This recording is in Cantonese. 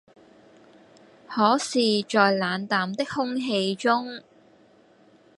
可是在冷淡的空氣中，